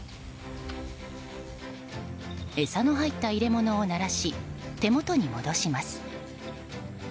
餌の入った入れ物を鳴らし手元に戻します。